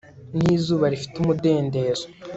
ni izuba rifite umudendezo